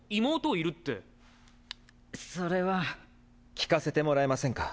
聞かせてもらえませんか？